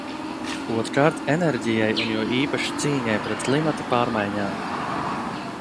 Otrkārt, enerģijai, un jo īpaši cīņai pret klimata pārmaiņām.